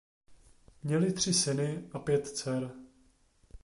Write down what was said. Měli tři syny a pět dcer.